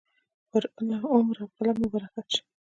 پر عمر او قلم مو برکت شه.